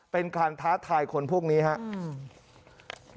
เป็นการท้าทายคนพวกนี้ครับ